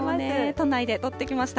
都内で撮ってきました。